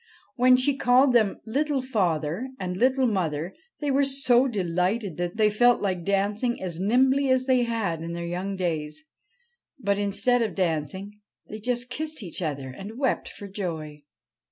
When she called them 'Little Father' and 'Little Mother' they were so delighted that they felt like dancing as nimbly as they 3 SNEGOROTCHKA had in their young days. But, instead of dancing, they just kissed each other, and wept for joy.